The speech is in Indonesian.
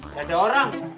gak ada orang